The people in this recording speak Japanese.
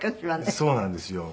そうなんですよ。